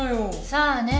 さあね。